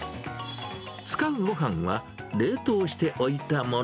使うごはんは冷凍しておいたもの。